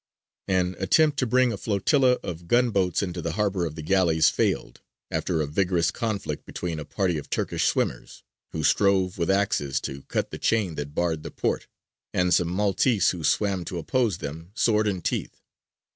An attempt to bring a flotilla of gun boats into the Harbour of the Galleys failed, after a vigorous conflict between a party of Turkish swimmers, who strove with axes to cut the chain that barred the port, and some Maltese who swam to oppose them, sword in teeth.